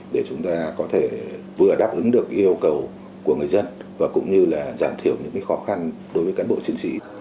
để chúng ta có thể vừa đáp ứng được yêu cầu của người dân và cũng như là giảm thiểu những khó khăn đối với cán bộ chiến sĩ